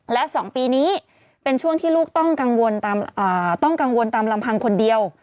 และ๒ปีนี้เป็นช่วงที่ลูกต้องกังวลตามลำพังคนเดียว